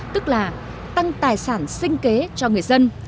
tức là tăng tài sản sinh kế cho người dân